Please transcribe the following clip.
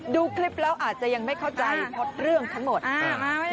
ดูคลิปแล้วอาจจะยังไม่เข้าใจเพราะเรื่องทั้งหมด